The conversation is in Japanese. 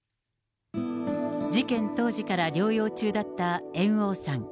事件当時から療養中だった猿翁さん。